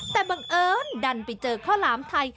แต่บังเอิญดันไปเจอข้าวหลามไทย